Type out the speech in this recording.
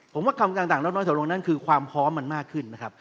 ผมว่าคำต่างลดน้อยถอยลงนั้นคือความพร้อมมันมากขึ้นนะครับ